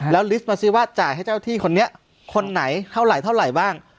แล้วลิสต์มาซิว่าจ่ายให้เจ้าที่คนนี้คนไหนเท่าไหรเท่าไหร่บ้าง